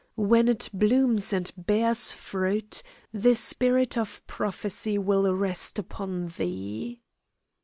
When it blooms and bears fruit the spirit of prophecy will rest upon thee."